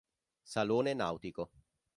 Salone nautico